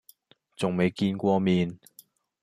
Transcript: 仲未見過面